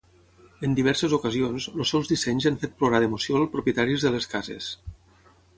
En diverses ocasions, els seus dissenys han fet plorar d'emoció el propietaris de les cases.